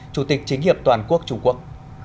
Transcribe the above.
chủ tịch chính hiệp toàn quốc trung quốc